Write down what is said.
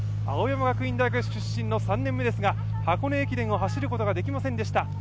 青山学院大学出身の３年目ですが箱根駅伝を走ることができませんでした。